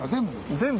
全部。